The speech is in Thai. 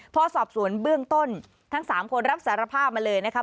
พอสอบสวนเบื้องต้นทั้ง๓คนรับสารภาพมาเลยนะคะ